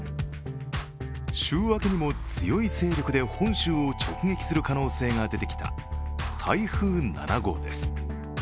週明けにも強い勢力で本州を直撃する可能性が出てきた台風７号です